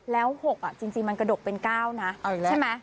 แล้ว๖จริงมันกระดกเป็น๙นะใช่ไหม